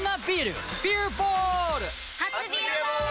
初「ビアボール」！